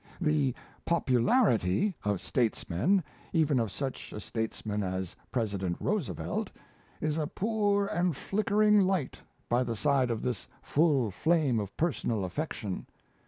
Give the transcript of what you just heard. The 'popularity' of statesmen, even of such a statesman as President Roosevelt, is a poor and flickering light by the side of this full flame of personal affection.